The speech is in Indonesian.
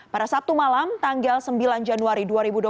pada sabtu malam tanggal sembilan januari dua ribu dua puluh